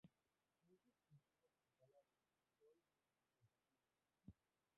Uso exclusivo hospitalario, control de estupefacientes.